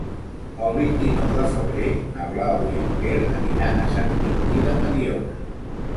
El vint-i-nou de febrer na Blau i en Quer aniran a Sant Quintí de Mediona.